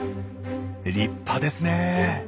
立派ですねえ。